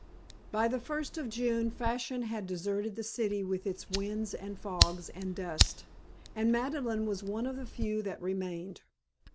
XI By the first of June Fashion had deserted the city with its winds and fogs and dust, and Madeleine was one of the few that remained.